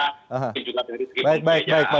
dan juga dari segi pemerintahnya